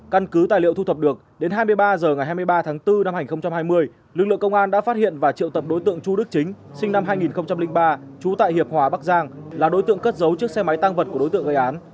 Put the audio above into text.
căn cứ tài liệu thu thập được đến hai mươi ba h ngày hai mươi ba tháng bốn năm hai nghìn hai mươi lực lượng công an đã phát hiện và triệu tập đối tượng chu đức chính sinh năm hai nghìn ba trú tại hiệp hòa bắc giang là đối tượng cất dấu chiếc xe máy tăng vật của đối tượng gây án